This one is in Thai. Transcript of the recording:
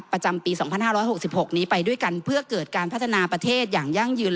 ประจำปีสองพันห้าร้อยหกสิบหกนี้ไปด้วยกันเพื่อเกิดการพัฒนาประเทศอย่างยั่งยืน